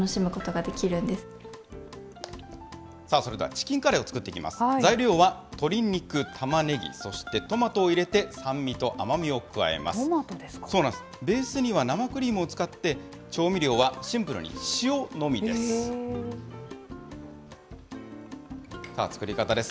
そうなんです、ベースには生クリームを使って、調味料はシンプルに塩のみです。